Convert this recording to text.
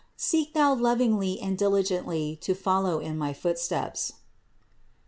Seek thou lovingly and diligently to follow in my footsteps.